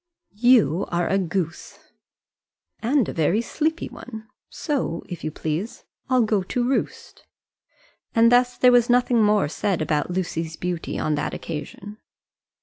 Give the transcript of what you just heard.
"You are a goose." "And a very sleepy one; so, if you please, I'll go to roost." And thus there was nothing more said about Lucy's beauty on that occasion.